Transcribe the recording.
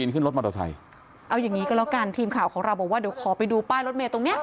ขึ้นรถมอเตอร์ไซค์เอาอย่างงี้ก็แล้วกันทีมข่าวของเราบอกว่าเดี๋ยวขอไปดูป้ายรถเมย์ตรงเนี้ย